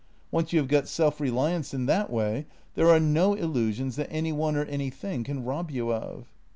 Once you have got self reliance in that way, there are no illusions that any one or anything can rob you of."